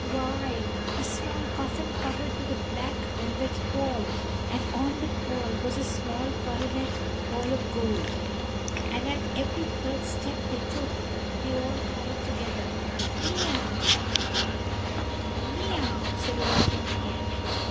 Why, a small coffin covered with a black velvet pall, and on the pall was a small coronet all of gold, and at every third step they took they cried all together, Miaou " "Miaou!" said Old Tom again.